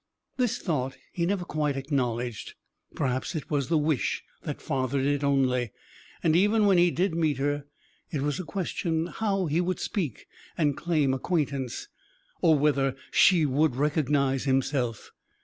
This thought he never quite acknowledged. Perhaps it was the wish that fathered it only. And, even when he did meet her, it was a question how he would speak and claim acquaintance, or whether she would recognise himself.